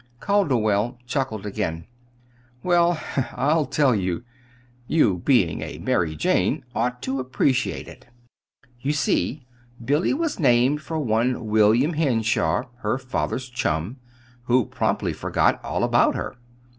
Calderwell chuckled again. "Well, I'll tell you. You, being a 'Mary Jane,' ought to appreciate it. You see, Billy was named for one William Henshaw, her father's chum, who promptly forgot all about her.